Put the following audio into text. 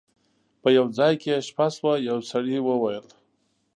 په یو ځای کې یې شپه شوه یو سړي وویل.